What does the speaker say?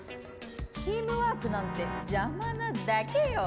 チームワークなんてじゃまなだけよ。